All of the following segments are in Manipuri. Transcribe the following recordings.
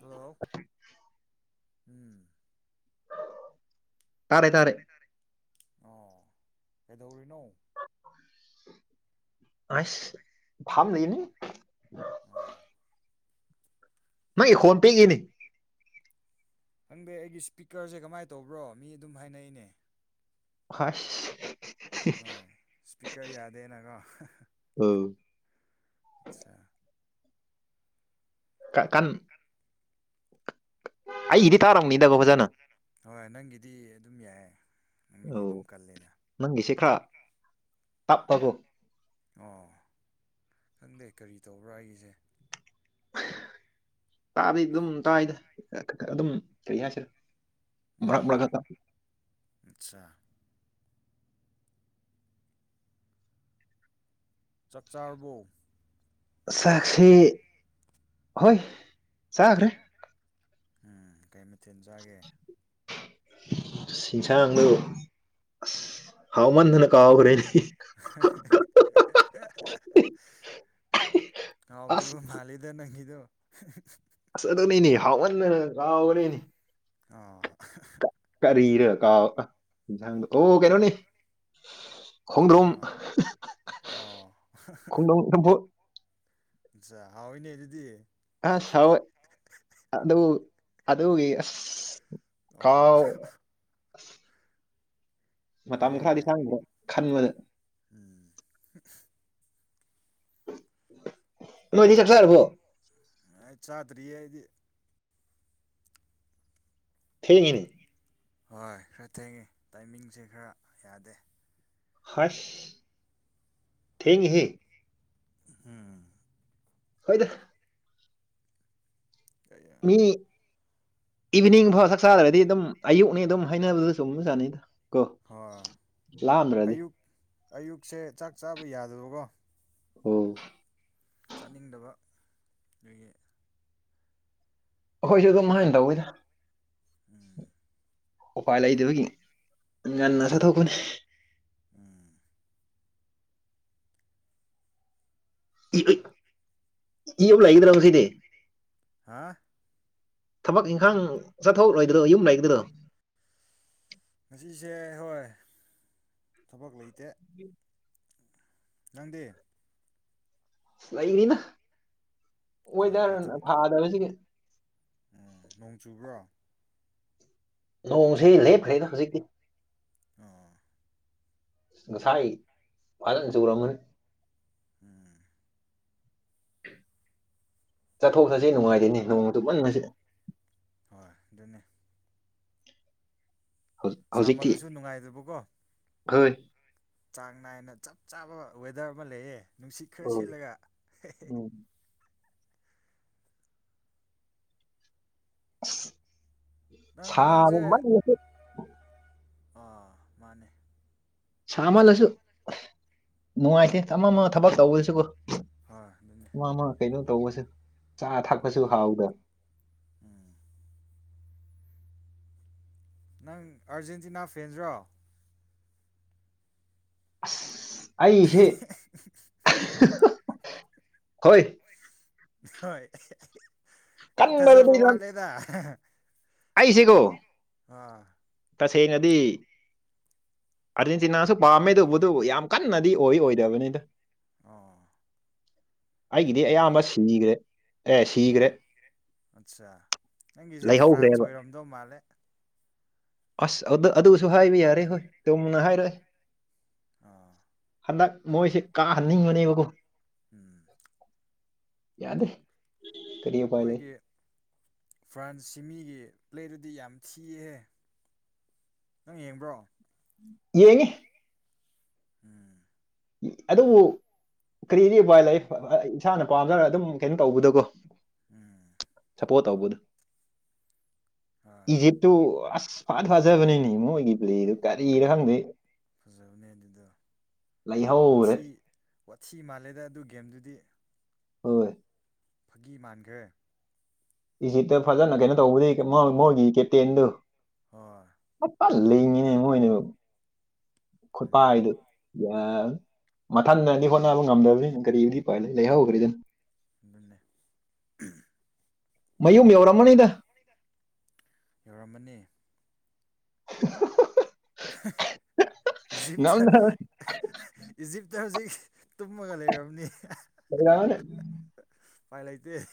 ꯍꯜꯂꯣ ꯎꯝ ꯇꯥꯔꯦ ꯇꯥꯔꯦ ꯑꯣ ꯀꯩꯗꯧꯔꯤꯅꯣ ꯑꯩꯁ ꯐꯝꯂꯤꯅꯤ ꯑꯥ ꯅꯪꯒꯤ ꯈꯣꯟ ꯄꯤꯛꯏꯅꯤ ꯈꯪꯗꯦ ꯑꯩꯒꯤ ꯏꯁꯄꯤꯀꯔꯖꯦ ꯀꯃꯥꯏ ꯇꯧꯕ꯭ꯔꯣ ꯃꯤ ꯑꯗꯨꯝ ꯍꯥꯏꯅꯩꯅꯦ ꯑꯣꯈꯥꯁ ꯍꯣꯏ ꯏꯁꯄꯤꯀꯔ ꯌꯥꯗꯦꯅꯀꯣ ꯑꯧ ꯑꯁꯥ ꯀꯥ ꯀꯟ ꯑꯩꯒꯤꯗꯤ ꯇꯥꯔꯝꯅꯤꯗꯒ‌ꯣ ꯐꯖꯅ ꯍꯣꯏ ꯅꯪꯒꯤꯗꯤ ꯑꯗꯨꯝ ꯌꯥꯏ ꯑꯧ ꯅꯪꯒꯤꯁꯦ ꯈꯔ ꯇꯞꯄꯕꯣ ꯑꯣ ꯈꯪꯗꯦ ꯀꯔꯤ ꯇꯧꯕ꯭ꯔꯥ ꯑꯩꯒꯤꯁ‌ꯦ ꯇꯥꯗꯤ ꯑꯗꯨꯝ ꯇꯥꯏꯗ ꯑꯥ ꯑꯗꯨꯝ ꯀꯔꯤ ꯍꯥꯏꯁꯤꯔ ꯃꯔꯛ ꯎꯝ ꯃꯔꯛꯇ [unintelligible] ꯑꯠꯁꯥ ꯆꯥꯛ ꯆꯥꯔꯕꯣ ꯆꯥꯛꯁꯤ ꯍꯣꯏ ꯆꯥꯒ꯭ꯔꯦ ꯎꯝ ꯀꯩ ꯃꯊꯦꯟ ꯆꯥꯒꯦ ꯏꯟꯁꯥꯡꯗꯨ ꯑꯁ ꯍꯥꯎꯃꯟ ꯃꯟꯗꯟ ꯀꯥꯎꯒ꯭ꯔꯦ [unintelligible] ꯑꯁ ꯍꯥꯎꯗꯨꯕ ꯃꯥꯜꯂꯤꯗ ꯅꯪꯒꯤꯗꯨ ꯑꯁ ꯑꯗꯨꯅꯤꯅ‌ꯦ ꯍꯥꯎꯃꯟꯗꯅ ꯀꯥꯎꯒ꯭ꯔꯦꯅꯦ ꯀ‌ꯣ ꯀꯔꯤꯔ ꯀꯥꯎ ꯑꯥ ꯍꯤꯟꯖꯥꯡꯗꯣ ꯑꯣ ꯀꯩꯅꯣꯅꯤ ꯈꯣꯡꯗ꯭ꯔꯨꯝ ꯑꯣ ꯑꯣ ꯈꯣꯡꯗ꯭ꯔꯨꯝ ꯆꯝꯐꯨꯠ ꯖꯥ ꯍꯥꯎꯋꯤꯅꯦ ꯑꯗꯨꯗꯤ ꯑꯁ ꯍꯥꯎꯋꯦ ꯑꯗꯨ ꯑꯗꯨꯒꯤ ꯑꯁ ꯑꯣ ꯀꯥꯎ ꯃꯇꯝ ꯌꯥꯏ ꯈꯔꯗꯤ ꯌꯥꯏ ꯆꯪ [unintelligible] ꯈꯟꯕꯗ ꯎꯝ ꯅꯣꯏꯗꯤ ꯆꯥꯛ ꯆꯥꯔꯕꯣ ꯑꯥ ꯆꯥꯗ꯭ꯔꯤꯌꯦ ꯑꯩꯗꯤ ꯊꯦꯡꯉꯤꯅꯤ [unintelligible] ꯍꯣꯏ ꯈꯔ ꯊꯦꯡꯉꯦ ꯇꯥꯏꯃꯤꯡꯁꯦ ꯈꯔ ꯌꯥꯗꯦ ꯍꯥꯏꯁ ꯊꯦꯡꯉꯤꯍꯦ [unintelligible] ꯎꯝꯍꯨ ꯍꯣꯏꯗ ꯀꯩꯌꯥ ꯃꯤ ꯏꯚꯤꯅꯤꯡ ꯐꯥꯎ ꯆꯥꯛ ꯆꯥꯗ꯭ꯔꯗꯤ ꯑꯗꯨꯝ ꯑꯌꯨꯛꯅꯤ ꯗꯨꯝ ꯍꯩꯅꯕꯗꯨ ꯆꯨꯝꯕ ꯖꯥꯠꯅꯤꯗ ꯍꯣꯏ ꯑꯌꯨꯛ ꯑꯌꯨꯛꯁꯦ ꯆꯥꯛ ꯆꯥꯕ ꯌꯥꯗꯕꯒꯣ ꯑꯣ ꯆꯥꯅꯤꯡꯗꯕ ꯗꯨꯏꯒꯤ ꯑꯩꯈꯣꯏꯁꯨ ꯑꯗꯨꯍꯥꯏꯟ ꯇꯧꯋꯤꯗ ꯎꯝ ꯎꯄꯥꯏ ꯂꯩꯗꯕꯒꯤ ꯉꯟꯅ ꯆꯥꯊꯣꯛꯄꯅꯦ ꯎꯝ ꯏꯑꯩ ꯌꯨꯝ ꯂꯩꯒꯗ꯭ꯔ‌ꯣ ꯉꯁꯤꯗꯤ ꯍꯥ ꯊꯕꯛ ꯏꯪꯈꯥꯡ ꯆꯠꯊꯣꯛꯂꯣꯏꯗ꯭ꯔꯣ ꯌꯨꯝ ꯂꯩꯒꯗ꯭ꯔꯣ ꯉꯁꯤꯁꯦ ꯍꯣꯏ ꯊꯕꯛ ꯂꯩꯇꯦ [inaudible] ꯅꯪꯗꯤ ꯂꯩꯅꯤꯗ ꯑꯥ ꯀꯩ ꯑꯣꯏꯗ꯭ꯔꯟ ꯊꯕꯛ ꯊꯥꯗꯕꯁꯤꯗꯤ ꯎꯝ ꯅꯣꯡ ꯆꯨꯕ꯭ꯔꯣ ꯅꯣꯡꯁꯤ ꯂꯦꯞꯈ꯭ꯔꯦꯗ ꯍꯧꯖꯤꯛꯇꯤ ꯑꯣ ꯉꯁꯥꯏ ꯐꯖꯟ ꯆꯨꯔꯝꯒꯅꯤ ꯎꯝ ꯆꯠꯊꯣꯛ ꯆꯠꯁꯤ ꯅꯨꯡꯉꯥꯏꯗ‌ꯦꯅꯦ ꯅꯣꯡ ꯗꯨꯃꯟꯅꯕꯁꯤꯗ ꯍꯣꯏ ꯑꯗꯨꯅꯦ ꯍꯧꯖꯤꯛꯇꯤ ꯁꯥꯃꯜꯂꯁꯨ ꯅꯨꯡꯉꯥꯏꯗꯕꯀꯣ [unintelligible] ꯆꯥꯡ ꯅꯥꯏꯅ ꯆꯞ ꯆꯥꯕ ꯋꯦꯗꯔ ꯑꯃꯥ ꯂꯩꯌꯦ ꯅꯨꯡꯁꯤꯠ ꯈꯔ ꯎꯝ ꯁꯤꯠꯂꯒ ꯍ‌ꯦ ꯍ‌ꯦ ꯎꯝ ꯑꯁ ꯅꯪ ꯅꯪꯖꯦ ꯑꯥ ꯃꯥꯅꯤ ꯁꯥꯃꯜꯂꯁꯨ ꯅꯨꯡꯉꯥꯏꯇꯦ ꯑꯃꯃꯥ ꯊꯕꯛ ꯇꯧꯕꯁꯤꯀꯣ ꯍꯣꯏ ꯑꯗꯨꯅꯦ ꯑꯃꯥ ꯑꯃꯥ ꯀꯩꯅꯣ ꯇꯧꯕꯁꯦ ꯆꯥ ꯊꯛꯄꯁꯨ ꯑꯗꯨꯅꯦ ꯍꯥꯎꯗ ꯎꯝ ꯅꯪ ꯑꯥꯔꯖꯦꯟꯇꯤꯅꯥ ꯐ‌ꯦꯟꯖꯂ‌ꯣ ꯑꯁ ꯑꯩꯁꯤ [unintelligible] ꯍꯣꯏ ꯍꯣꯏ ꯈꯔ ꯊꯥꯖꯕ ꯀꯟꯕꯗꯗꯤ ꯋꯥꯠꯂꯦꯗ ꯑꯩꯁ‌ꯦꯀꯣ ꯑꯥ ꯇꯁꯦꯡꯅꯗꯤ ꯑꯥꯔꯖꯦꯟꯇꯤꯅꯥꯁꯨ ꯄꯥꯝꯃꯦ ꯗꯨꯕꯨꯗꯨ ꯌꯥꯝ ꯀꯟꯅꯗꯤ ꯑꯣꯏ ꯑꯣꯏꯗꯕꯅꯤꯗ ꯑꯣ ꯑꯩꯒꯤꯗꯤ ꯑꯌꯥꯝꯕ ꯁꯤꯅꯤꯈ꯭ꯔꯦ ꯑꯦ ꯁꯤꯒ꯭ꯔꯦ ꯑꯣ ꯑꯠꯆꯥ ꯅꯪꯒꯤꯁꯦ ꯐ꯭ꯔꯥꯟꯁ ꯂꯩꯍꯧꯈ꯭ꯔꯦꯕ ꯑꯣꯏꯔꯝꯗꯧ ꯃꯥꯜꯂꯦ ꯑꯁ ꯑꯗꯨ ꯑꯗꯨꯁꯨ ꯍꯥꯏꯕ ꯌꯥꯔꯦ ꯍꯣꯏ ꯆꯨꯝꯅ ꯍꯥꯏꯔꯛꯑꯦ ꯑꯥ ꯍꯟꯅꯛ ꯃꯣꯏꯁꯦ ꯀꯥꯍꯟꯅꯤꯡꯕꯅꯦꯕꯀꯣ ꯎꯝ ꯌꯥꯗꯦ ꯀꯔꯤ ꯎꯄꯥꯏ ꯂꯩ ꯃꯣꯏꯒꯤ ꯐ꯭ꯔꯥꯟꯁ ꯁꯤꯃꯤꯒꯤ ꯄ꯭ꯂꯦꯗꯨꯗꯤ ꯌꯥꯝ ꯊꯤꯍꯦ ꯅꯪ ꯌꯦꯡꯕ꯭ꯔꯣ ꯌꯦꯡꯉꯤ ꯎꯝ ꯑꯗꯨꯕꯨ ꯀꯔꯤꯗꯤ ꯎꯄꯥꯏ ꯂꯩ ꯏꯁꯥꯅ ꯄꯥꯝꯖꯔꯒ ꯑꯗꯨꯝ ꯀꯩꯅꯣ ꯇꯧꯕꯗꯨꯀꯣ ꯎꯝ ꯁꯄꯣ ꯇꯧꯕꯗꯨ ꯑꯥ ꯏꯖꯤꯞ ꯇꯨ ꯑꯁ ꯐꯥꯠ ꯐꯥꯖꯕꯅꯤꯅꯦ ꯃꯣꯏꯒꯤ ꯄ꯭ꯂꯦꯗꯨ ꯀꯔꯤꯔ ꯈꯪꯗꯦ ꯐꯖꯕꯅꯦ ꯑꯗꯨꯗ ꯂꯩꯍꯧꯔꯦ ꯋꯥꯊꯤ ꯋꯥꯊꯤ ꯃꯥꯜꯂꯦꯗ ꯑꯗꯨ ꯒꯦꯝꯗꯨꯗꯤ ꯍꯣꯏ ꯐꯥꯒꯤ ꯃꯥꯟꯒꯔꯦ ꯏꯖꯤꯇ ꯐꯖꯅ ꯀꯩꯅꯣ ꯇꯧꯕꯗꯒꯤ ꯃꯣꯏꯃꯣꯏꯒꯤ ꯀꯦꯞꯇꯦꯟꯗꯨ ꯍꯣꯏ ꯐꯖ ꯂꯤꯡꯉꯤꯍꯦ ꯃꯣꯏꯗꯨ ꯎꯝ ꯈꯨꯠꯄꯥꯏꯗꯨ ꯌꯥ ꯃꯊꯟꯗꯗꯤ ꯍꯣꯠꯅꯕ ꯉꯝꯗꯕꯅꯤꯅ ꯀꯔꯤꯗꯤ ꯎꯄꯥꯏꯂꯩ ꯂꯩꯍꯧꯈꯔꯤꯗꯨ ꯅꯅꯦ ꯃꯌꯨꯝ ꯌꯧꯔꯝꯃꯅꯤꯗ ꯌꯧꯔꯝꯃꯅꯤ [unintelligible] ꯏꯖꯤꯞꯇ ꯉꯝꯗꯅ ꯏꯖꯤꯞꯇ ꯍꯧꯖꯤꯛ ꯇꯨꯝꯃꯒ ꯂꯩꯔꯕꯅꯤ [unintelligible] ꯎꯄꯥꯏ ꯂꯩꯇꯦ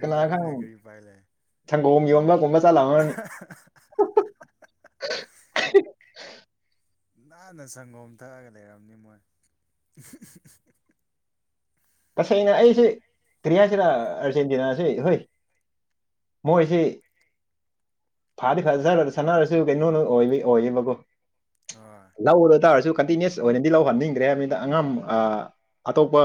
ꯀꯅꯥ ꯈꯪ ꯅꯤ ꯀꯔꯤ ꯎꯄꯥꯏ ꯂꯩ ꯁꯪꯒꯣꯝ ꯌꯣꯟꯕꯒꯨꯝꯕ ꯆꯠꯂꯝꯃꯅꯤ [unintelligible] ꯅꯥꯟꯅ ꯁꯪꯒꯣꯝ ꯊꯛꯑꯒ ꯂꯩꯔꯝꯅꯤ ꯃꯣꯏ [unintelligible] ꯇꯁꯦꯡꯅ ꯑꯩꯁꯦ ꯀ꯭ꯔꯤꯍꯥꯏꯁꯤꯔꯥ ꯑꯔꯖꯦꯟꯇꯤꯅꯥꯁꯦ ꯍꯣꯏ ꯃꯣꯏꯁꯤ ꯐꯗꯤ ꯐ ꯖꯅ ꯁꯥꯟꯅꯔꯁꯨ ꯀꯩꯅꯣꯅ ꯑꯣꯏꯕꯒꯤ ꯑꯣꯏꯌꯦꯕꯀꯣ ꯍꯣꯏ ꯂꯧꯔ ꯇꯥꯔꯁꯨ ꯀꯟꯇꯤꯅꯤꯌꯁ ꯑꯣꯏꯅꯗꯤ ꯂꯧꯍꯟꯅꯤꯡꯗ꯭ꯔꯦ ꯍꯥꯏꯕꯅꯤꯅ ꯑꯉꯝ ꯑꯇꯣꯞꯄ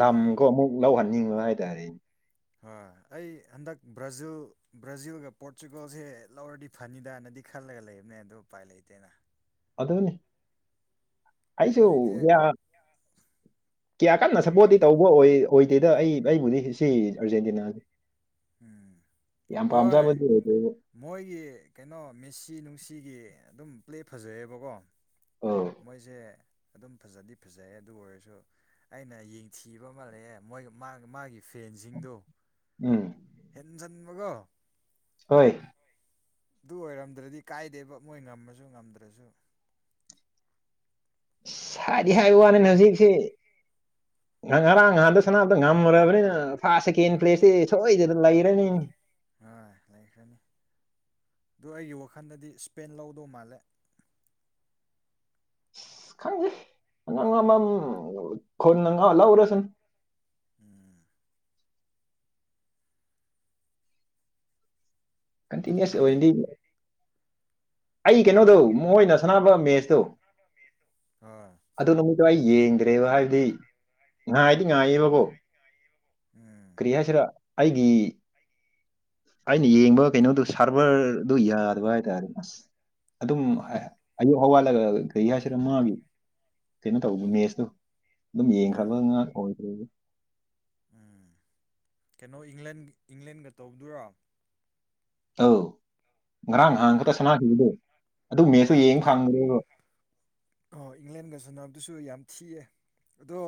ꯎꯝ ꯑꯃꯨꯛ ꯂꯧꯍꯟꯅꯤꯡꯕ ꯍꯥꯏꯇꯥꯔꯦ ꯍꯣꯏ ꯑꯩ ꯍꯟꯗꯛ ꯕ꯭ꯔꯥꯖꯤꯜ ꯕ꯭ꯔꯥꯖꯤꯜꯒ ꯄꯣꯔꯇꯨꯒꯜꯁꯦ ꯂꯧꯔꯗꯤ ꯐꯅꯤꯗꯥꯅꯗꯤ ꯈꯜꯂꯒ ꯂꯩꯕꯅꯦ ꯑꯗꯨ ꯎꯄꯥꯏ ꯂꯩꯇꯦꯅ ꯑꯗꯨꯅꯤ ꯎꯄꯥꯏ ꯑꯩꯁꯨ ꯂꯩꯇꯦ ꯌꯥ [unintelligible] ꯀꯌꯥ ꯀꯟꯅ ꯁꯞꯄꯣꯔꯠꯇꯤ ꯇꯧꯕ ꯑꯣꯏ ꯑꯣꯏꯗꯦꯗ ꯑꯩ ꯑꯩꯕꯨꯗꯤ ꯁꯤ ꯑꯔꯖꯦꯟꯇꯤꯅꯥ ꯎꯝ ꯍꯣꯏ ꯄꯥꯝꯖꯕꯗꯤ ꯑꯣꯏꯗꯦꯕ ꯃꯣꯏꯒꯤ ꯀꯩꯅꯣ ꯃꯦꯁꯤ ꯅꯨꯡꯁꯤꯒꯤ ꯑꯗꯨꯝ ꯄ꯭ꯂꯦ ꯐꯖꯩꯌꯦꯕꯀꯣ ꯑꯧ ꯃꯣꯏꯁꯦ ꯑꯗꯨꯝ ꯐꯖꯗꯤ ꯐꯖꯩ ꯑꯗꯨ ꯑꯣꯏꯔꯁꯨ ꯑꯩꯅ ꯌꯦꯡꯊꯤꯕ ꯑꯃ ꯂꯩꯑꯦ ꯃꯣꯏ ꯃꯥꯒꯤ ꯃꯥꯒꯤ ꯐꯦꯟꯁꯤꯡꯗꯨ ꯎꯝ ꯍꯦꯟꯖꯟꯕꯒꯣ ꯍꯣꯏ ꯗꯨ ꯑꯣꯏꯔꯝꯗ꯭ꯔꯗꯤ ꯀꯥꯏꯗꯦꯕ ꯃꯣꯏ ꯉꯝꯃꯖꯨ ꯉꯝꯗ꯭ꯔꯖꯨ ꯁꯥꯗꯤ ꯍꯥꯏ ꯋꯥꯅꯤꯅ ꯍꯧꯖꯤꯛꯁꯤ ꯉ ꯉꯔꯥꯡ ꯉꯍꯥꯟꯗꯣ ꯁꯅꯥꯕꯗ ꯉꯝꯒꯔꯕꯅꯤꯅ ꯐꯥꯁ ꯁꯦꯀꯦꯟ ꯄ꯭ꯂꯦꯁꯇꯤ ꯁꯣꯏꯗꯅ ꯂꯩꯔꯅꯤ ꯍꯣꯏ ꯂꯩꯈ꯭ꯔꯅꯤ ꯗꯨ ꯑꯩꯒꯤ ꯋꯥꯈꯟꯗꯗꯤ ꯁ꯭ꯄꯦꯟ ꯂꯧꯗꯧ ꯃꯥꯜꯂꯦ ꯈꯪꯗꯦ ꯑꯉꯝ ꯉꯃꯝ ꯈꯨꯟꯅ ꯉ ꯂꯧꯔꯁꯅꯨ ꯎꯝ ꯀꯟꯇꯤꯅꯨꯁ ꯀꯥꯏꯗꯤ ꯑꯣꯏꯗꯤ ꯑꯩ ꯀꯩꯅꯣꯗꯧ ꯃꯣꯏꯅ ꯁꯥꯟꯅꯕ ꯃꯦꯁꯇꯣ ꯍꯣꯏ ꯑꯗꯨ ꯅꯨꯃꯤꯠꯇꯣ ꯑꯩ ꯌꯦꯡꯗ꯭ꯔꯦꯕ ꯍꯥꯏꯕꯗꯤ ꯉꯥꯏꯗꯤ ꯉꯥꯏꯑꯦꯕ ꯑꯣ ꯎꯝ ꯀ꯭ꯔꯤ ꯍꯥꯏꯁꯤꯔꯥ ꯑꯩꯒꯤ ꯑꯩꯅ ꯌꯦꯡꯕ ꯀꯩꯅꯣꯗꯨ ꯁꯥꯔꯚꯔꯗꯨ ꯌꯥꯗꯕ ꯍꯥꯏꯇꯥꯔꯦ ꯑꯁ ꯑꯗꯨꯝ ꯍꯥꯏ ꯑꯣ ꯑꯌꯨꯛ ꯍꯧꯋꯥꯠꯂꯒ ꯀꯔꯤ ꯍꯥꯏꯁꯤꯔ ꯃꯥꯒꯤ ꯀꯩꯅꯣ ꯇꯧꯕ ꯃꯦꯁꯇꯨ ꯗꯨꯝ ꯎꯝ ꯌꯦꯡꯈ꯭ꯔꯕꯅꯦ ꯉꯥꯛ ꯑꯣꯏꯗ꯭ꯔꯗꯤ ꯎꯝ ꯀꯩꯅꯣ ꯏꯪꯂꯟ ꯏꯪꯂꯦꯟꯒ ꯇꯧꯗꯨꯔꯥ ꯇꯣ ꯉꯔꯥꯡ ꯉꯍꯥꯡ ꯑꯣ ꯈꯛꯇ ꯁꯥꯟꯅꯈꯤꯕꯗꯣ ꯑꯗꯨ ꯃꯦꯁꯇꯨ ꯌꯦꯡ ꯏꯪꯂꯦꯟ ꯐꯪꯕꯗ꯭ꯔꯦꯕ ꯍꯣꯏ ꯏꯪꯂꯦꯟꯒ ꯁꯥꯟꯅꯕꯗꯨꯁꯨ ꯌꯥꯝ ꯊꯤꯌꯦ ꯑꯗꯣ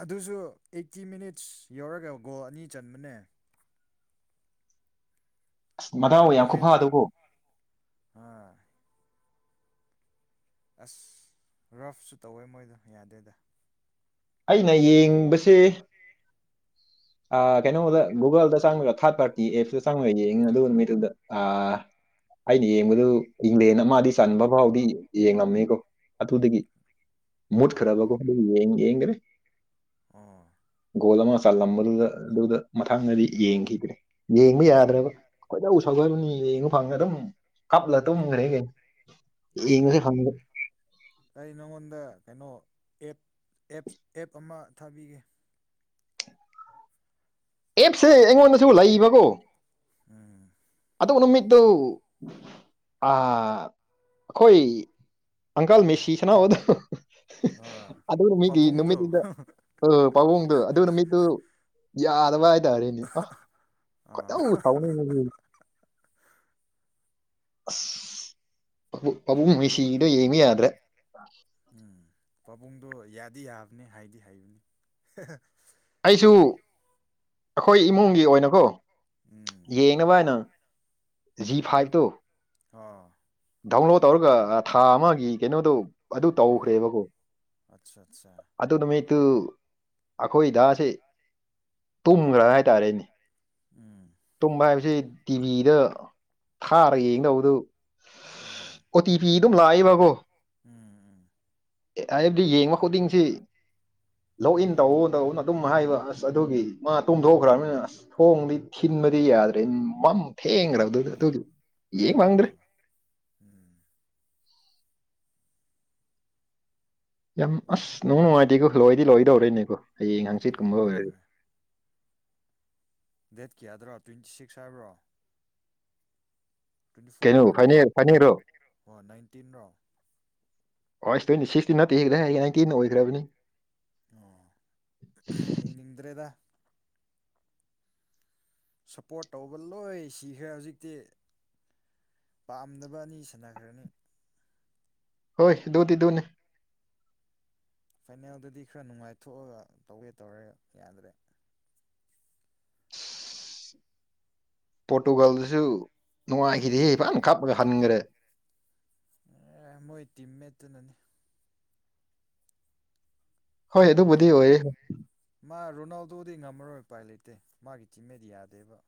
ꯑꯗꯨꯖꯨ ꯑꯦꯠꯇꯤ ꯃꯤꯅꯤꯠꯁ ꯌꯧꯔꯒ ꯒꯣꯜ ꯑꯅꯤ ꯆꯟꯕꯅꯦ ꯑꯁ ꯃꯗꯥꯎ ꯌꯥꯝ ꯏꯪꯂꯦꯟ ꯈꯨꯐꯥꯗꯣꯀꯣ ꯑꯥ ꯑꯁ ꯔꯐꯁꯨ ꯇꯧꯋꯦ ꯃꯣꯏꯗꯣ ꯌꯥꯗꯦꯗꯥ ꯑꯩꯅ ꯌꯦꯡꯕꯁꯤ ꯑꯥ ꯀꯩꯅꯣꯗ ꯒꯨꯒꯜꯗ ꯆꯪꯂꯒ ꯊꯥꯔꯠ ꯄꯥꯔꯇꯤ ꯑꯦꯞꯁꯇ ꯆꯪꯂꯒ ꯌꯦꯡꯉꯤ ꯑꯗꯨ ꯃꯤꯠꯇꯨꯗ ꯑꯥ ꯑꯩꯅ ꯌꯦꯡꯕꯗꯨ ꯏꯪꯂꯦꯟ ꯑꯃꯗꯤ ꯆꯟꯕ ꯐꯥꯎꯗꯤ ꯌꯦꯡꯉꯝꯃꯦꯀꯣ ꯑꯗꯨꯗꯒꯤ ꯑꯣ ꯃꯨꯠꯈ꯭ꯔꯒꯨꯞ ꯌꯦꯡ ꯌꯦꯡꯒ꯭ꯔꯦ ꯑꯣ ꯒꯣꯜ ꯑꯃ ꯆꯜꯂꯝꯕ ꯗꯨꯒ ꯗꯨꯗ ꯃꯊꯪꯗꯗꯤ ꯌꯦꯡꯈꯤꯗ꯭ꯔꯦ ꯌꯦꯡꯕ ꯌꯥꯗ꯭ꯔꯦꯕ ꯈꯣꯏꯗꯧ ꯁꯒꯣꯏꯕꯅꯤ ꯌꯦꯡꯕ ꯐꯪꯗ꯭ꯔꯦ ꯑꯗꯨꯝ ꯀꯞꯂ ꯇꯨꯝꯒ꯭ꯔꯦ ꯌꯦꯡ ꯑꯣ ꯌꯦꯡꯕꯗꯤ ꯐꯪꯗꯦ ꯑꯩ ꯅꯉꯣꯟꯗ ꯀꯩꯅꯣ ꯑꯦꯞ ꯑꯦꯞꯁ ꯑꯦꯞ ꯑꯃ ꯊꯥꯕꯤꯒꯦ ꯑꯦꯞꯁ ꯁꯦ ꯑꯩꯉꯣꯟꯗꯖꯨ ꯂꯩꯕꯀꯣ ꯎꯝ ꯑꯗꯨꯒ ꯅꯨꯃꯤꯠꯇꯨ ꯑꯥ ꯈꯣꯏ ꯑꯪꯀꯜ ꯃꯦꯁꯤ ꯁꯥꯟꯅꯕꯗꯣ ꯍꯣꯏ ꯑꯗꯨ ꯅꯨꯃꯤꯠꯗꯤ ꯅ ꯄꯥꯕꯨꯡꯗꯣ ꯅꯨꯃꯤꯠꯅꯤꯗ ꯑ ꯄꯥꯕꯨꯡꯗꯣ ꯑꯗꯨ ꯅꯨꯃꯤꯠꯇꯨ ꯌꯥ ꯇꯕ ꯍꯥꯏꯇꯥꯔꯦꯅꯦ ꯑꯣ ꯑꯥ ꯈꯣꯏꯗꯧ ꯁꯥꯎꯅꯤꯡꯕꯖꯤ [unintelligible] ꯑꯁ ꯑꯕꯨ ꯄꯥꯕꯨꯡ ꯃꯦꯁꯤꯒꯤꯗꯣ ꯌꯦꯡꯕ ꯌꯥ ꯍꯦ ꯍꯦ ꯎꯝ ꯄꯥꯕꯨꯡꯗꯣ ꯌꯥꯗꯤ ꯌꯥꯕꯅꯦ ꯍꯥꯏꯗꯤ ꯍꯩꯕꯅꯦ ꯍꯦ ꯍꯦ ꯑꯩꯁꯨ ꯑꯈꯣꯏ ꯏꯃꯨꯡꯒꯤ ꯑꯣꯏꯅꯀꯣ ꯎꯝ ꯌꯦꯡ ꯀꯃꯥꯏꯅ ꯖꯤ ꯐꯥꯏꯚꯇꯣ ꯑꯣ ꯗꯥꯎꯟꯂꯣꯗ ꯇꯧꯔꯒ ꯊꯥ ꯑꯃꯒꯤ ꯀꯩꯅꯣꯗꯣ ꯑꯗꯨ ꯑꯣ ꯇꯧꯈ꯭ꯔꯦꯕꯀꯣ ꯑꯠꯆꯥ ꯑꯠꯆꯥ ꯑꯗꯨ ꯅꯨꯃꯤꯠꯇꯨ ꯑꯈꯣꯏꯗꯥꯁꯦ ꯇꯨꯝꯒ꯭ꯔꯦ ꯍꯥꯏ ꯍꯤꯏ ꯇꯥꯔꯦ ꯎꯝ ꯇꯨꯝꯕ ꯍꯥꯏꯕꯁꯤ ꯇꯤꯚꯤꯗ ꯊꯥꯔ ꯌꯦꯡꯗꯧꯗꯨ ꯎꯝ ꯑꯣꯇꯤ ꯄꯤ ꯑꯗꯨꯝ ꯂꯥꯛꯑꯦꯕꯀꯣ ꯎꯝ ꯑꯦ ꯍꯥꯏꯕꯗꯤ ꯌꯦꯡꯕ ꯈꯨꯗꯤꯡꯁꯤ ꯂꯣꯛꯏꯟ ꯇꯧꯑꯣ ꯇꯧꯑꯣꯅ ꯑꯗꯨꯝ ꯍꯥꯏꯕ ꯑꯁ ꯑꯗꯨꯒꯤ ꯃꯥ ꯇꯨꯝꯗꯣꯛꯈ꯭ꯔꯝꯅꯤꯅ ꯑꯁ ꯊꯣꯡꯗꯤ ꯊꯤꯟꯕꯗꯤ ꯌꯥꯗ ꯃꯝ ꯊꯦꯡꯒ꯭ꯔꯕꯗꯨꯗ ꯑꯗꯨꯗꯤ ꯌꯦꯡ ꯍꯣꯏ ꯐꯪꯗ꯭ꯔꯦ ꯍꯣꯏ ꯎꯝ ꯌꯥꯝ ꯋꯥꯔꯜ ꯑꯁ ꯀꯞ ꯅꯨꯡ ꯅꯨꯡꯉꯥꯏꯇꯦꯀꯣ ꯂꯣꯏꯗꯤ ꯂꯣꯏꯗꯧꯔꯣꯏꯅꯦꯀꯣ ꯍꯌꯦꯡ ꯍꯪꯆꯤꯠꯀꯨꯝꯕ ꯑꯣꯏꯔꯗꯤ ꯂꯣꯏꯒꯗꯧꯔꯦ ꯗꯦꯠ ꯀꯌꯥꯗꯔꯣ ꯇ꯭ꯋꯦꯟꯇꯤ ꯁꯤꯛꯁ ꯍꯥꯏꯕ꯭ꯔꯣ ꯇ꯭ꯋꯦꯟꯇꯤ ꯀꯩꯅꯣ ꯐꯣꯔ ꯍꯥꯏꯕ꯭ꯔꯣ ꯐꯥꯏꯅꯦꯜ ꯐꯥꯏꯅꯦꯜꯔꯣ [unintelligible] ꯑꯣ ꯅꯥꯏꯟꯇꯤꯟꯔꯣ ꯑꯣꯏꯁ ꯇ꯭ꯋꯦꯟꯇꯤ ꯁꯤꯛꯁꯇꯤ ꯅꯠꯇꯦꯍꯦ ꯀꯗꯥꯏꯗꯒꯤ ꯅꯥꯏꯇꯤꯟ ꯑꯣꯏꯒ꯭ꯔꯕꯅꯤ ꯑꯣ [inaudible] ꯌꯦꯡꯅꯤꯡꯗ꯭ꯔꯦꯗ ꯁꯞꯄꯣꯔꯠ ꯇꯧꯕ ꯂꯣꯏ ꯁꯤꯈ꯭ꯔꯦ ꯍꯧꯖꯤꯛꯇꯤ ꯄꯥꯝꯗꯕ ꯑꯅꯤ ꯁꯥꯟꯅꯈ꯭ꯔꯅꯤ ꯍꯣꯏ ꯑꯗꯨꯗꯤ ꯑꯗꯨꯅꯤ ꯐꯥꯏꯅꯦꯜꯗꯗꯤ ꯈꯔ ꯅꯨꯡꯉꯥꯏꯊꯣꯛꯑꯒ ꯇꯧꯒꯦ ꯇꯧꯔ ꯌꯥꯗ꯭ꯔꯦ ꯄꯣꯔꯇꯨꯒꯥꯜꯗꯨꯁꯨ ꯅꯨꯡꯉꯥꯏꯈꯤꯗꯦꯍꯦ ꯐꯅ ꯀꯞꯔꯒ ꯍꯟꯈ꯭ꯔꯦ ꯑꯦ ꯃꯣꯏ ꯇꯤꯝ ꯃꯦꯠꯇꯨꯅꯅꯤ ꯍꯣꯏ ꯑꯗꯨꯕꯨꯗꯤ ꯔꯣꯅꯥꯜ ꯑꯣꯏꯌꯦ ꯃꯥ ꯔꯣꯅꯥꯜꯗꯣꯗꯤ ꯉꯝꯃꯔꯣꯏ ꯎꯄꯥꯏ ꯂꯩꯇꯦ ꯃꯥꯒꯤ ꯇꯤꯝꯃꯦꯗ ꯌꯥꯗꯦꯕ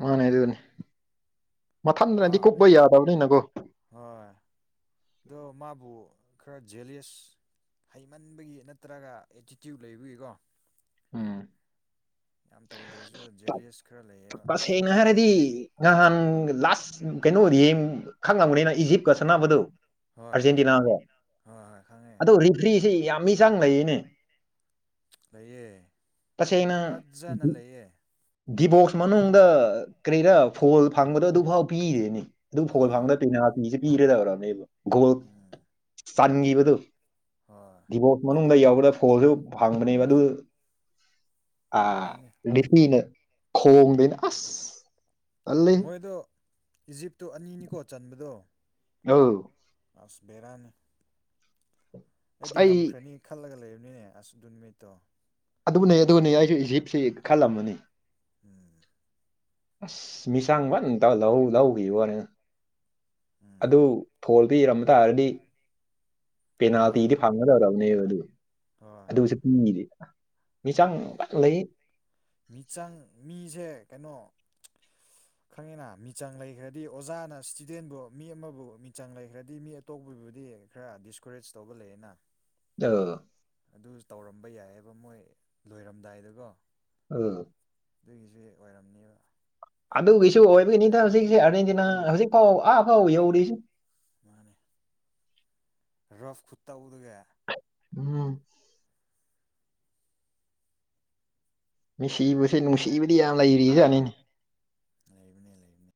ꯃꯥꯅꯦ ꯑꯗꯨꯅꯤ ꯃꯥ ꯃꯊꯟꯗꯅꯗꯤ ꯀꯨꯞꯄꯄ ꯌꯥꯗꯕꯅꯤꯅꯀꯣ ꯍꯣꯏ ꯑꯗꯣ ꯃꯥꯕꯨ ꯈꯔ ꯖꯦꯂꯤꯌꯁ ꯍꯩꯃꯟꯕꯒꯤ ꯅꯠꯇ꯭ꯔꯒ ꯑꯦꯇꯤꯇ꯭ꯌꯨꯠ ꯂꯩꯕꯒꯤꯀꯣ ꯎꯝ ꯌꯥꯝ ꯇꯧꯗ꯭ꯔꯦ ꯖꯨ ꯖꯦꯂꯤꯌꯁ ꯈꯔ ꯂꯩꯌꯦꯕ ꯄꯁꯦꯡꯅ ꯍꯥꯏꯔꯗꯤ ꯉꯍꯥꯟ ꯂꯥꯁ ꯀꯩꯅꯣ ꯌꯦꯝ ꯈꯪꯉꯝꯒꯅꯤꯗ ꯏꯖꯤꯞꯀ ꯁꯥꯟꯅꯕꯗꯣ ꯍꯣꯏ ꯑꯥꯔꯖꯦꯟꯇꯤꯅꯥ ꯍꯣꯏ ꯍꯣꯏ ꯈꯪꯉꯦ ꯐ꯭ꯔꯤꯁꯤ ꯌꯥꯝꯃꯤ ꯆꯡ ꯂꯩꯌꯦꯅꯦ ꯂꯩꯌꯦ ꯇꯁꯦꯡꯅ ꯐꯖꯅ ꯂꯩꯌꯦ ꯗꯤꯕꯣꯛꯁ ꯃꯅꯨꯡꯗ ꯀꯔꯤꯔ ꯐꯣꯜ ꯐꯪꯕꯗꯣ ꯑꯗꯨꯐꯥꯎ ꯄꯤꯗꯦꯅꯦ ꯑꯗꯨ ꯐꯣꯟ ꯍꯣꯏ ꯐꯪꯕꯗ ꯄꯦꯅꯥꯜꯇꯤꯖꯦ ꯄꯤꯔꯗꯧꯔꯕꯅꯦꯕ ꯒꯣꯜ ꯎꯝ ꯆꯟꯒꯤꯕꯗꯨ ꯍꯣꯏ ꯗꯤꯕꯣ ꯃꯅꯨꯡꯗ ꯌꯧꯕꯗ ꯐꯣꯟꯜꯖꯨ ꯐꯪꯕꯅꯦꯕ ꯑꯗꯨ ꯑꯥ ꯑꯗꯨꯅꯦ ꯔꯤꯐ꯭ꯔꯤꯅ ꯈꯣꯡꯗꯦꯅ ꯑꯁ ꯇꯜꯂꯦꯍꯦ ꯃꯣꯏꯗꯣ ꯏꯖꯤꯞꯇꯣ ꯑꯅꯤꯅꯤꯀꯣ ꯆꯟꯕꯗꯣ ꯑꯧ ꯑꯁ ꯕꯦꯔꯥꯅꯤ ꯑꯁ ꯑꯩꯗꯤ ꯑꯩ ꯉꯝꯈ꯭ꯔꯅꯤ ꯈꯜꯂꯒ ꯂꯩꯕꯅꯤꯅꯦ ꯑꯁ ꯑꯗꯨ ꯅꯨꯃꯤꯠꯇꯣ ꯑꯗꯨꯅꯦ ꯑꯗꯨꯅꯦ ꯑꯩꯖꯨ ꯏꯖꯤꯞꯁꯦ ꯈꯜꯂꯝꯕꯅꯤ ꯎꯝ ꯑꯁ ꯃꯤꯆꯡ ꯐꯟ ꯇꯧ ꯂꯧ ꯂꯧꯒꯤꯕ ꯋꯥꯅꯤꯗ ꯎꯝ ꯑꯗꯨ ꯐꯣꯜꯗ ꯄꯤꯔꯝꯕ ꯇꯥꯔꯗꯤ ꯍꯣꯏ ꯄꯦꯅꯥꯜꯇꯤꯗꯤ ꯐꯪꯒꯗꯧꯔꯕꯅꯦꯕ ꯑꯗꯨ ꯍꯣꯏ ꯑꯗꯨ ꯄꯤꯗꯦꯕ ꯃꯤꯆꯡ ꯐꯖꯅ ꯂꯩ ꯃꯤꯆꯪ ꯃꯤꯖꯦ ꯀꯩꯅꯣ ꯈꯪꯉꯤꯅ ꯃꯤꯆꯪ ꯂꯩꯒ꯭ꯔꯗꯤ ꯑꯣꯖꯥꯅ ꯏꯁꯇꯨꯗꯦꯟꯕꯨ ꯃꯤ ꯑꯃꯕꯨ ꯃꯤꯆꯪ ꯂꯩꯒ꯭ꯔꯗꯤ ꯃꯤ ꯑꯇꯣꯞꯄꯕꯨꯗꯤ ꯈꯔ ꯗꯤꯁꯀꯣꯔꯦꯖ ꯇꯧꯕ ꯂꯩꯌꯦꯅ ꯗꯧ ꯑꯗꯨꯁꯨ ꯇꯧꯔꯝꯕ ꯌꯥꯏꯌꯦꯕ ꯃꯣꯏ ꯂꯣꯏꯔꯝꯗꯥꯏꯗꯒꯣ ꯎꯝ ꯑꯗꯨꯒꯤꯁꯨ ꯑꯣꯏꯔꯝꯅꯤꯕ ꯑꯗꯨꯒꯤꯁꯨ ꯑꯣꯏꯕꯒꯤꯅꯤꯗ ꯍꯧꯖꯤꯛꯁꯦ ꯑꯥꯔꯖꯦꯟꯇꯤꯅꯥ ꯍꯧꯖꯤꯛ ꯐꯥꯎ ꯑꯥ ꯐꯥꯎ ꯌꯧꯔꯤꯁꯦ ꯃꯥꯅꯦ [unintelligible] ꯈꯨꯇꯧꯗꯨꯒ ꯎꯝ ꯃꯦꯁꯤꯕꯨꯁꯦ ꯅꯨꯡꯁꯤꯕꯗꯤ ꯌꯥꯝ ꯂꯩꯔꯤꯖꯥꯠꯅꯤꯅꯦ ꯂꯩꯕꯅꯦ ꯂꯩꯕꯅꯦ